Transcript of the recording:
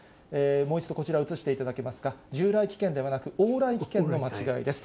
もう一度こちら映していただけますか、従来危険ではなく、往来危険の間違いです。